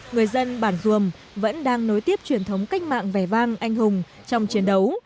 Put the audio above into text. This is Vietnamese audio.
người dân bản duồm vẫn đang nối tiếp truyền thống cách mạng vẻ vang anh hùng trong chiến đấu